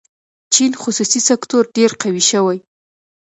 چین خصوصي سکتور ډېر قوي شوی.